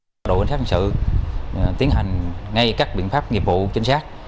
đội cảnh sát hình sự tiến hành ngay các biện pháp nghiệp vụ chính xác